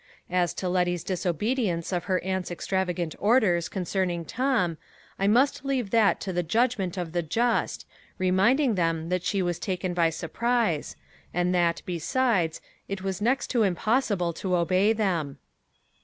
As to Letty's disobedience of her aunt's extravagant orders concerning Tom, I must leave that to the judgment of the just, reminding them that she was taken by surprise, and that, besides, it was next to impossible to obey them.